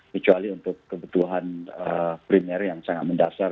kecuali untuk kebutuhan primer yang sangat mendasar